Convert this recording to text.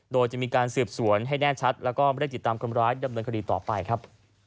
โดยจะมีการสืบสวนให้แน่ชัดแล้วก็ไม่ได้ติดตามคนร้ายดำเนินคดีต่อไปครับ